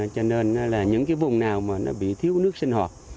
cho nên là những cái vùng nào mà nó bị thiếu nước sinh hoạt